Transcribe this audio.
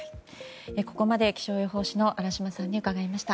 ここまで気象予報士の荒嶋さんに伺いました。